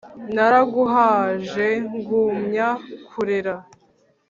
naraguhaje ngumya kurera